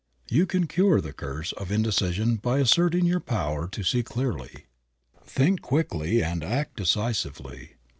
You can cure the curse of indecision by asserting your power to see clearly, think quickly and act decisively.